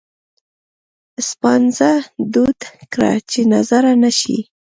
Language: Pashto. سپانځه دود کړه چې نظره نه شي.